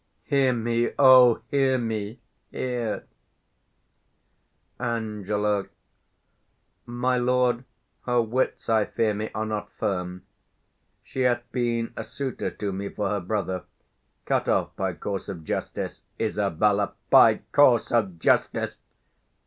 Hear me, O hear me, here! Ang. My lord, her wits, I fear me, are not firm: She hath been a suitor to me for her brother Cut off by course of justice, Isab. By course of justice!